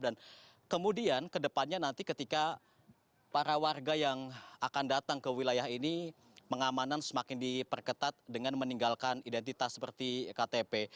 dan kemudian ke depannya nanti ketika para warga yang akan datang ke wilayah ini pengamanan semakin diperketat dengan meninggalkan identitas seperti ktp